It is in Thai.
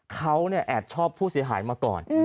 เขาแอบชอบผู้เสียหายมาก่อน